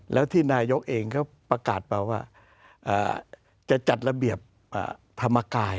แล้วที่นายกเองก็ประกาศมาว่าจะจัดระเบียบธรรมกาย